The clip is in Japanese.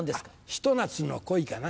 ひと夏の恋かな。